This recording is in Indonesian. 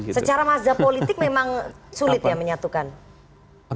secara mazhab politik memang sulit ya menyatukan